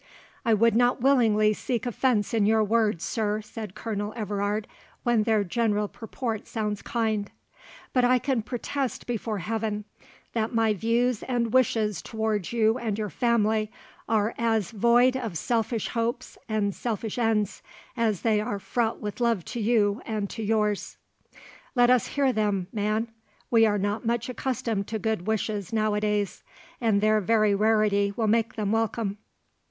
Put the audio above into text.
"I would not willingly seek offence in your words, sir," said Colonel Everard, "when their general purport sounds kind; but I can protest before Heaven, that my views and wishes towards you and your family are as void of selfish hopes and selfish ends, as they are fraught with love to you and to yours." "Let us hear them, man; we are not much accustomed to good wishes now a days; and their very rarity will make them welcome."